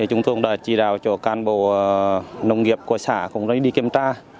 chúng tôi đã chỉ đáo cho cán bộ nông nghiệp của xã cũng lấy đi kiểm tra